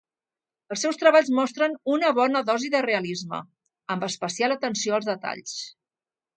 Els seus treballs mostren una bona dosi de realisme, amb especial atenció als detalls.